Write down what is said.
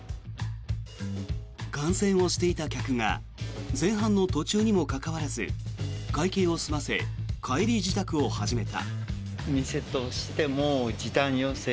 観戦をしていた客が前半の途中にもかかわらず会計を済ませ帰り支度を始めた。